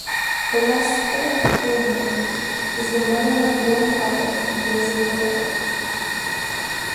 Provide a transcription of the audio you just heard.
Valeska Homburg is the mother of one child and lives in Cologne.